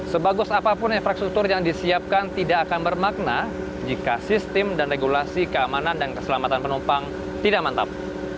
sebagus apapun infrastruktur yang disiapkan tidak akan bermakna jika sistem dan regulasi keamanan dan keselamatan penumpang tidak mantap